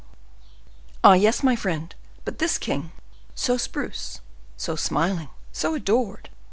"Ah, yes, my friend; but this king, so spruce, so smiling, so adored, M.